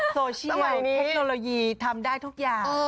โซเชียลเทคโนโลยีทำได้ทุกอย่าง